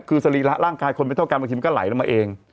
คือสรีระร่างกายคนไม่เท่ากันบางทีมันก็ไหลลงมาเอง